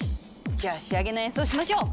じゃあ仕上げの演奏しましょう！